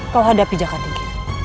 kau hadapi jakat tinggi